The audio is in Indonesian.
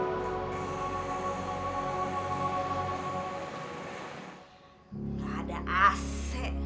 gak ada ac